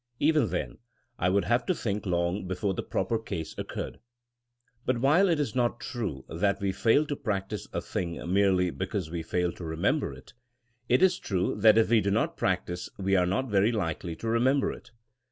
Even then I would have to think long before the proper case occurred. But while it is not true that we fail to prac tice a thing merely because we fail to remember it, it is true that if we do not practice we are not very likely to remember it.